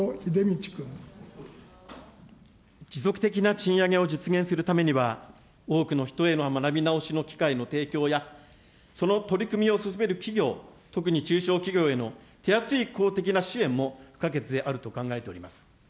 持続的な賃上げを実現するためには、多くの人への学び直しの機会への提供や、その取り組みを進める企業、特に中小企業への手厚い公的な支援も不可欠であると考えております。